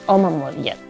oma mau lihat